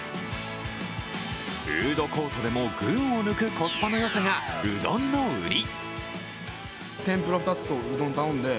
フードコートでも群を抜くコスパのよさがうどんの売り。